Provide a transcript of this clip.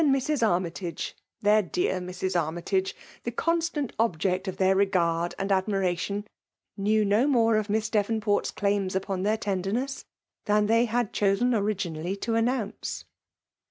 enen Mrs. Armytage, their dear Mrs. Army tage, the constant object of their regard and admiration, knew no more of Miss Devonport^s claims npon their tenderness, than they had chosen originally to announce.